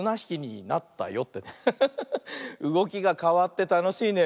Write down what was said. うごきがかわってたのしいね。